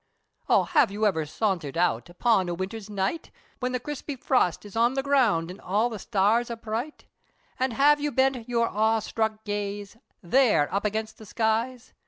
O have you ever saunthered out Upon a winther's night, Whin the crispy frost, is on the ground, An' all the stars, are bright? Then have you bent your awe sthrick gaze, There, up aginst the skies?